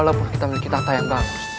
walaupun kita memiliki tata yang bagus